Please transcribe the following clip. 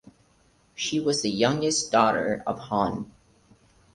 She was the youngest daughter of Hon.